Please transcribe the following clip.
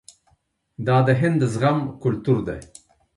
دا د هند د زغم کلتور دی.